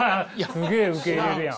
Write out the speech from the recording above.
すげえ受け入れるやん。